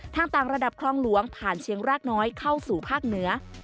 ต่างระดับคลองหลวงผ่านเชียงรากน้อยเข้าสู่ภาคเหนือ